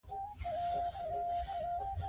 د مصر اهرامونه له فضا ښکاري.